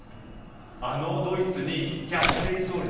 あのドイツに逆転勝利。